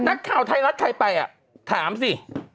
นักข่าวไทยรัฐไทยไปถามสิ